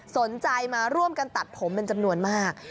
สนใจมาร่วมกันตัดผมเป็นจำนวนมาก